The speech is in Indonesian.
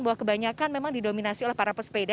bahwa kebanyakan memang didominasi oleh para pesepeda